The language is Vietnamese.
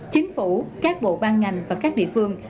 chính phủ các bộ ban ngành và các địa phương